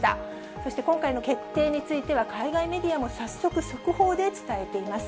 そして今回の決定については、海外メディアも早速、速報で伝えています。